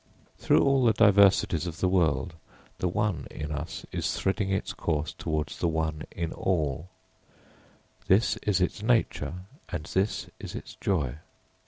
] Through all the diversities of the world the one in us is threading its course towards the one in all; this is its nature and this is its joy.